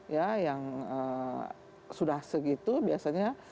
ya yang sudah segitu biasanya